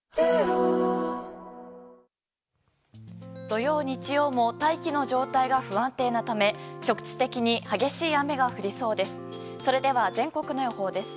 土曜、日曜も大気の状態が不安定なため局地的に激しい雨が降りそうです。